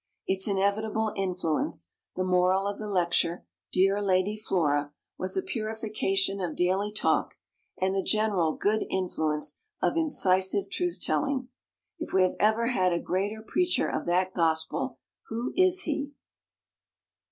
Its inevitable influence the moral of the lecture, dear Lady Flora was a purification of daily talk, and the general good influence of incisive truth telling. If we have ever had a greater preacher of that gospel who is he?